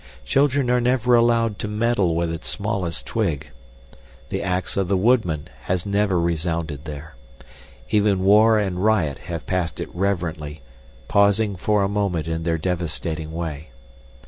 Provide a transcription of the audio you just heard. Children are never allowed to meddle with its smallest twig. The ax of the woodman has never resounded there. Even war and riot have passed it reverently, pausing for a moment in their devastating way.